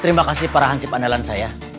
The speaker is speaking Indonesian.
terima kasih para hancip andalan saya